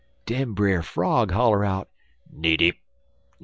"Den Brer Frog holler out: 'Knee deep!